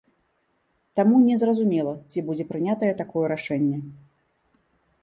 Таму не зразумела, ці будзе прынятае такое рашэнне.